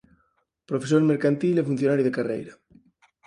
Profesor mercantil e funcionario de carreira.